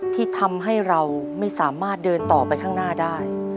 ที่ทำให้เราไม่สามารถเดินต่อไปข้างหน้าได้